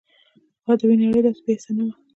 خو ادبي نړۍ داسې بې حسه نه وه